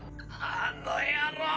あの野郎！！